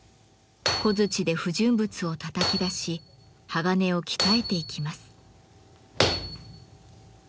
小づちで不純物をたたき出し鋼を鍛えていきます。